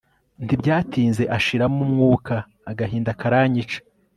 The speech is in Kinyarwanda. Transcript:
ntibyatinze ashiramo umwuka agahinda karanyica